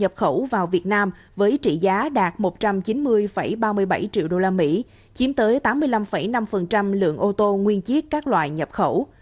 nhập khẩu vào việt nam với trị giá đạt một trăm chín mươi ba mươi bảy triệu usd chiếm tới tám mươi năm năm lượng ô tô nguyên chiếc các loại nhập khẩu